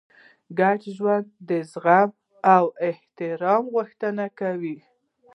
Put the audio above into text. ګډ ژوند د زغم او احترام غوښتنه کوي.